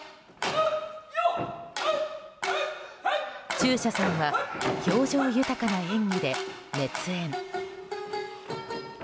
中車さんは表情豊かな演技で熱演。